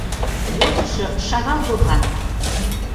Возышо шагал докан?